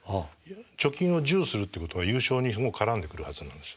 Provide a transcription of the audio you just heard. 貯金を１０するっていうことは優勝に絡んでくるはずなんです。